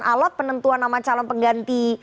alat penentuan nama calon pengganti